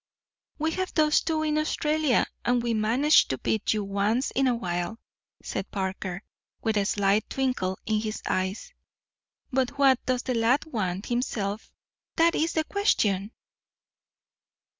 "We have those, too, in Australia, and we manage to beat you once in a while," said Parker, with a slight twinkle in his eyes. "But what does the lad want himself—that is the question?"